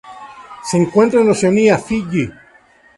Se encuentra en Oceanía: Fiyi.